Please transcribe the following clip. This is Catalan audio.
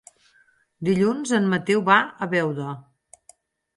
Dilluns en Mateu va a Beuda.